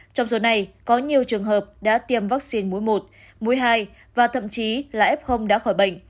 trong số này có nhiều trường hợp đã tiêm vaccine mũi một mũi hai và thậm chí là f đã khỏi bệnh